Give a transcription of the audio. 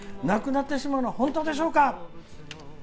なくなってしまうのは本当でしょうか？」。